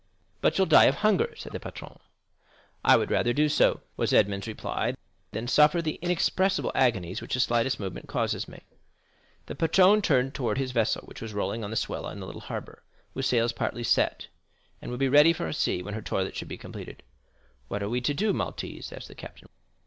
"But you'll die of hunger," said the patron. "I would rather do so," was Edmond's reply, "than suffer the inexpressible agonies which the slightest movement causes me." The patron turned towards his vessel, which was rolling on the swell in the little harbor, and, with sails partly set, would be ready for sea when her toilet should be completed. "What are we to do, Maltese?" asked the captain.